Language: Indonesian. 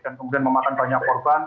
dan kemudian memakan banyak korban